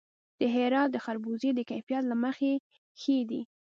د هرات خربوزې د کیفیت له مخې ښې دي.